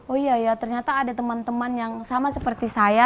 oh iya ya ternyata ada teman teman yang sama seperti saya